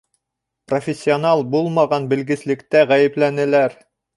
Профессионал булмаған белгеслектә ғәйепләнеләр.